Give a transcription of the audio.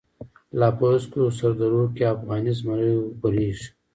لاپه هسکوسردروکی، افغانی زمری غوریږی